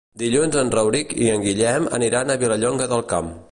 Dilluns en Rauric i en Guillem aniran a Vilallonga del Camp.